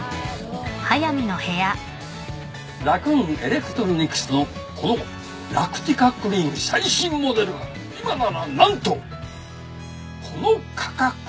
ラクーン・エレクトロニクスのこのラクティカクリーン最新モデルが今なら何とこの価格。